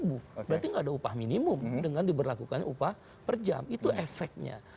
berarti nggak ada upah minimum dengan diberlakukan upah per jam itu efeknya